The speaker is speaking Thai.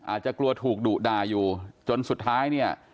อาจจะกลัวถูกดุด่าอยู่จนสุดท้ายเนี่ย